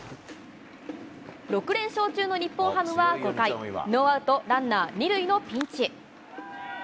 ６連勝中の日本ハムは５回、ノーアウトランナー２塁のピンチ。